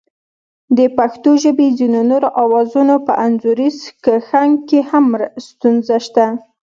د پښتو ژبې ځینو نورو آوازونو په انځوریز کښنګ کې هم ستونزه شته